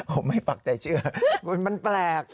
ผมไม่ปักใจเชื่อคุณมันแปลก